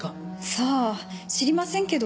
さあ知りませんけど。